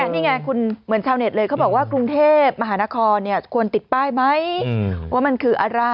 นี่ไงคุณเหมือนชาวเน็ตเลยเขาบอกว่ากรุงเทพมหานครควรติดป้ายไหมว่ามันคืออะไร